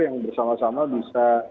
yang bersama sama bisa